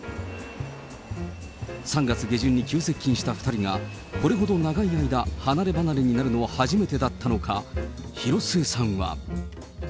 ３月下旬に急接近した２人が、これほど長い間、離れ離れになるのは初めてだったのか、広末さんは。